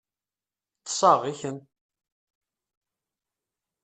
Ṭṣeɣ, i kemm?